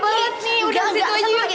kebelet nih udah ke situ aja yuk